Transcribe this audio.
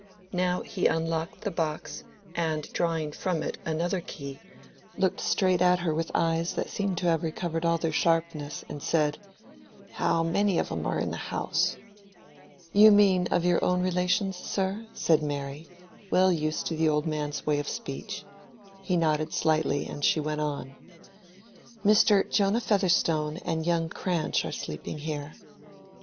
He now unlocked the box, and, drawing from it another key, looked straight at her with eyes that seemed to have recovered all their sharpness and said, "How many of 'em are in the house?" "You mean of your own relations, sir," said Mary, well used to the old man's way of speech. He nodded slightly and she went on. "Mr. Jonah Featherstone and young Cranch are sleeping here."